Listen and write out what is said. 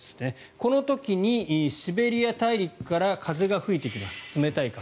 この時にシベリア大陸から風が吹いてきます。